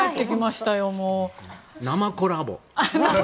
生コラボ。